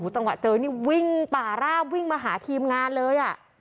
จังหวะเจอนี่วิ่งป่าราบวิ่งมาหาทีมงานเลย